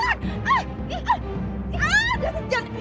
ah dia senjan